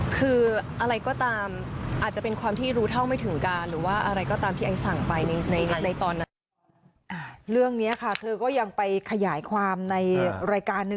คืออะไรก็ตามอาจจะเป็นความรู้เท่าไม่ถึงการ